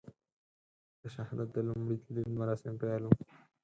د شهادت د لومړي تلین مراسم پیل وو.